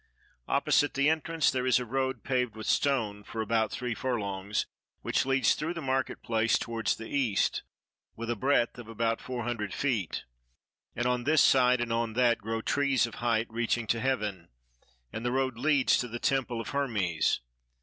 Opposite the entrance there is a road paved with stone for about three furlongs, which leads through the market place towards the East, with a breadth of about four hundred feet; and on this side and on that grow trees of height reaching to heaven: and the road leads to the temple of Hermes.